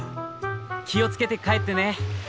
気を付けて帰ってね。